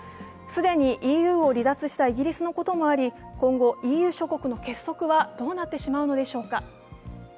既にＥＵを離脱したイギリスのこともあり、今後、ＥＵ諸国の結束はどうなってしまうのでしょうか。